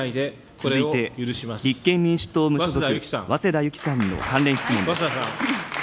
続いて立憲民主党、早稲田ゆきさんの関連質問です。